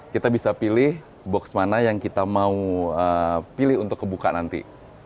kita bisa pilih box mana yang kita mau pilih untuk kebuka nanti